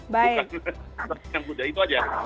bukan yang mudah itu saja